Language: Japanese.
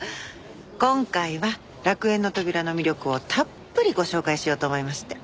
今回は楽園の扉の魅力をたっぷりご紹介しようと思いまして。